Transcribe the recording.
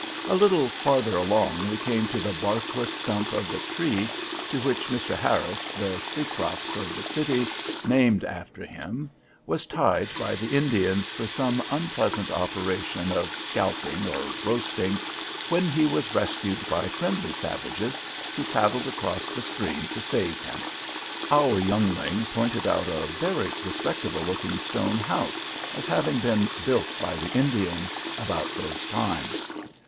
A little farther along we came to the barkless stump of the tree to which Mr. Harris, the Cecrops of the city named after him, was tied by the Indians for some unpleasant operation of scalping or roasting, when he was rescued by friendly savages, who paddled across the stream to save him. Our youngling pointed out a very respectable looking stone house as having been "built by the Indians" about those times.